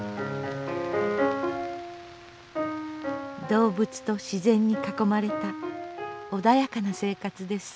動物と自然に囲まれた穏やかな生活です。